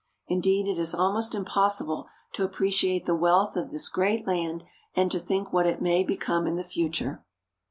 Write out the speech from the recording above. Indeed it is almost impossible to appreciate the wealth of this great land and to think what it may become in the future.